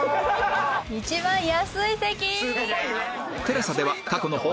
一番安い席！